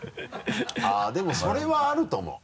あぁでもそれはあると思う。